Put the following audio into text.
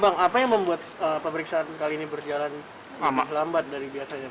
bang apa yang membuat pemeriksaan kali ini berjalan lambat dari biasanya